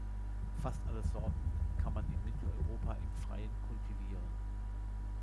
Fast alle Sorten kann man in Mitteleuropa im Freien kultivieren.